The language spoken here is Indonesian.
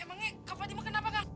emangnya kak fatima kenapa kang